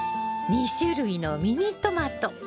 ２種類のミニトマト。